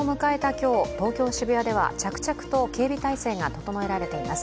今日東京・渋谷では着々と警備態勢が整えられています。